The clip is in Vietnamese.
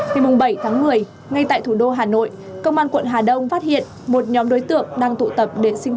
từ mùng bảy tháng một mươi ngay tại thủ đô hà nội công an quận hà đông phát hiện một nhóm đối tượng đang tụ tập